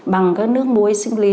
bằng cái nước muối sinh